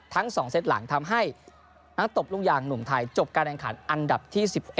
ทั้ง๒เซตหลังทำให้นักตบลูกยางหนุ่มไทยจบการแข่งขันอันดับที่๑๑